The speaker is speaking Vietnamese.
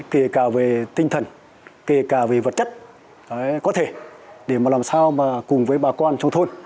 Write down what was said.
kể cả về tinh thần kể cả về vật chất có thể để mà làm sao mà cùng với bà con trong thôn